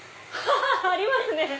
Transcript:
ありますね！